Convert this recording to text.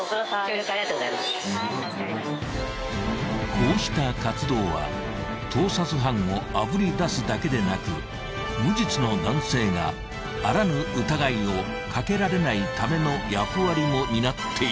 ［こうした活動は盗撮犯をあぶり出すだけでなく無実の男性があらぬ疑いをかけられないための役割も担っている］